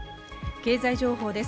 経済情報です。